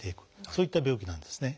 そういった病気なんですね。